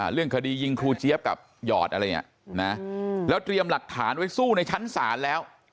เรื่องคดียิงครูเจี๊ยบกับหยอดอะไรเนี่ยนะแล้วเตรียมหลักฐานไว้สู้ในชั้นศาลแล้ว